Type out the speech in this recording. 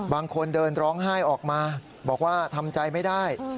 บางคนเดินร้องไห้ออกมาบอกว่าทำใจไม่ได้